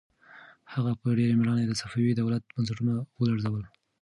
هغه په ډېر مېړانه د صفوي دولت بنسټونه ولړزول.